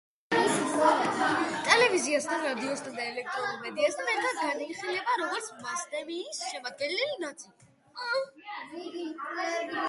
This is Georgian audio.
ტელევიზიასთან, რადიოსთან და ელექტრონულ მედიასთან ერთად განიხილება, როგორც მასმედიის შემადგენელი ნაწილი.